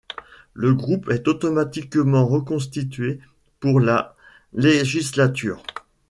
Le groupe est automatiquement reconstitué pour la législature.